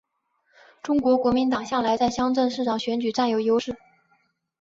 中国国民党向来在乡镇市长选举占有优势。